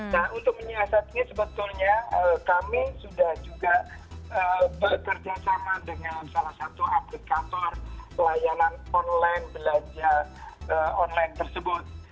nah untuk menyiasatnya sebetulnya kami sudah juga bekerjasama dengan salah satu aplikator pelayanan online belanja online tersebut